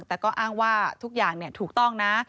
แต่ก็อ้างว่าทุกอย่างถูกต้องนะ